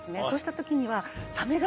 そうした時には。